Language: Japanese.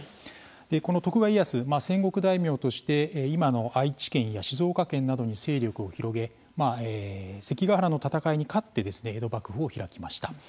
この徳川家康、戦国大名として今の愛知県や静岡県などに勢力を広げ関ケ原の戦いに勝って江戸幕府を開きました。